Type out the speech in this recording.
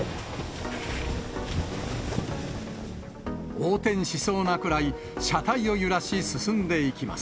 横転しそうなくらい、車体を揺らし、進んでいきます。